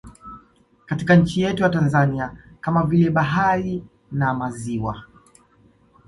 Katika nchi yetu ya Tanzania kama vile bahari na maziwa